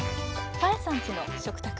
「多江さんちの食卓」。